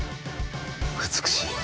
美しい。